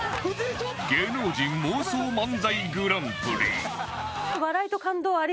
芸能人妄想漫才グランプリ